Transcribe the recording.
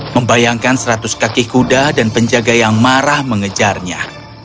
membayangkan seratus kaki kuda dan penjaga yang marah mengejarnya